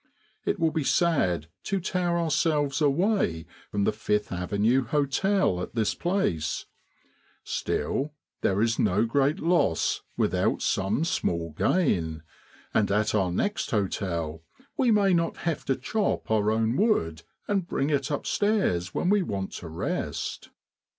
It will be sad to tear ourselves away from the Fifth Avenue Hotel at this place; still, there is no great loss without some small gain, and at our next hotel we may not have to chop our own wood and bring it up stairs when we want to rest.